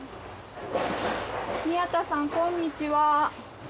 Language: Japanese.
宮田さんこんにちは。